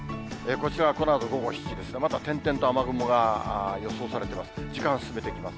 こちらはこのあと午後７時ですが、まだ点々と雨雲が予想されてます。